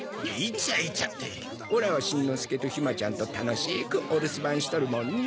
オラはしんのすけとひまちゃんと楽しくお留守番しとるもんね。